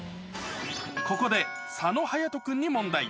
ここで、佐野勇斗君に問題。